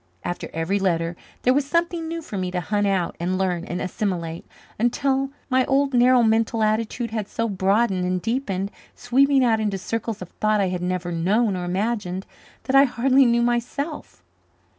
After every letter there was something new for me to hunt out and learn and assimilate, until my old narrow mental attitude had so broadened and deepened, sweeping out into circles of thought I had never known or imagined, that I hardly knew myself.